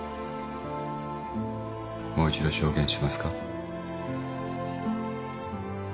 もう一度証言しますか。